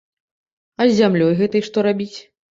А з зямлёй гэтай што рабіць?